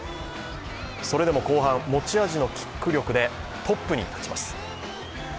それでも後半、持ち味のキック力でトップに立ちます。